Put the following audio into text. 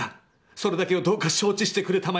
それだけをどうか承知してくれたまえ」。